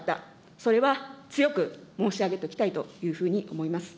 それは強く申し上げておきたいというふうに思います。